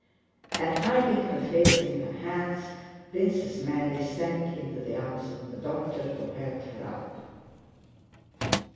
And hiding her face in her hands, Princess Mary sank into the arms of the doctor, who held her up.